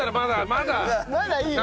まだいいの？